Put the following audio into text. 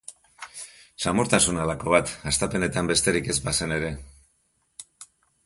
Samurtasun halako bat, hastapenetan besterik ez bazen ere.